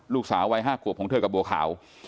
ลูกสาววัย๕ขวบของเธอกับบัวขาว